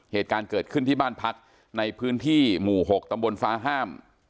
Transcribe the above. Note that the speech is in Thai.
เหตุการณ์เกิดขึ้นที่บ้านพักในพื้นที่หมู่๖ตำบลฟ้าห้าม